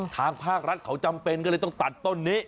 ทางภาครัฐเขาจำเป็นก็เลยต้องตัดต้นนี้